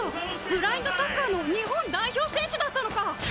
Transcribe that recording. ブラインドサッカーの日本代表選手だったのか！